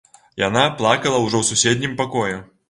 Яна плакала ўжо ў суседнім пакоі.